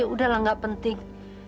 udah lah gak penting